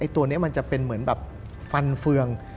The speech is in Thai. ตัวนี้มันจะเป็นเหมือนแบบฟันเฟือง